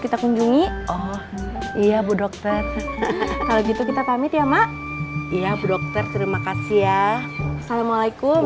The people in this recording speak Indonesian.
kita kunjungi oh iya bu dokter kalau gitu kita pamit ya mak ya dokter terima kasih ya assalamualaikum